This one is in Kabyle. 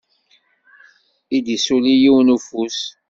I d-isuli yiwen n ufus.